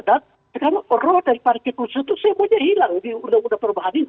dan sekarang orang dari partai khusus itu semuanya hilang di undang undang perubahan ini